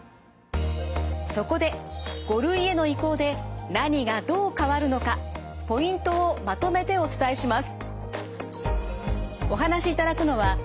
そこで５類への移行で何がどう変わるのかポイントをまとめてお伝えします。